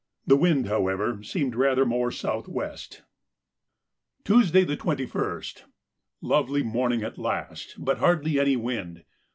The wind, however, seemed rather more south west. Tuesday, the 21st.—Lovely morning at last, but hardly any wind.